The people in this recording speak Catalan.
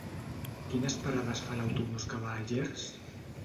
Quines parades fa l'autobús que va a Llers?